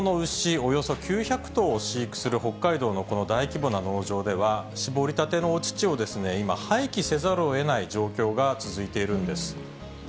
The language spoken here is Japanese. およそ９００頭を飼育する北海道の大規模な農場では、搾りたてのお乳を今、廃棄せざるをえない状況が続いているんです。